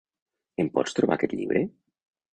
Em pots trobar aquest llibre?